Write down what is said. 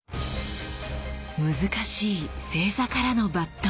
難しい正座からの抜刀。